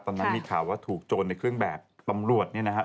ตอนนั้นมีข่าวว่าถูกโจรในเครื่องแบบตำรวจเนี่ยนะครับ